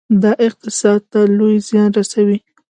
دا اقتصاد ته لوی زیان رسوي.